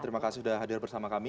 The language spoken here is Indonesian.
terima kasih sudah hadir bersama kami